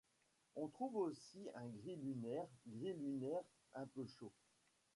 On trouve aussi un gris lunaire gris lunaire un peu chaud.